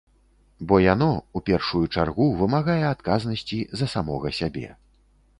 Бо яно, у першую чаргу, вымагае адказнасці за самога сябе.